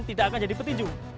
tidak akan jadi petinju